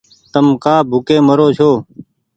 تم ڪآ ڀوڪي مرو ڇو